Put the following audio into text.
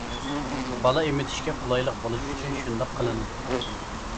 -بالا ئېمىتىشكە قولايلىق بولۇش ئۈچۈن شۇنداق قىلىنىدۇ.